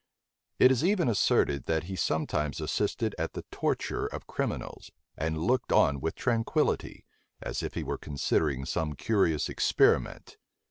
It is even asserted, that he sometimes assisted at the torture of criminals, and looked on with tranquillity, as if he were considering some curious experiment.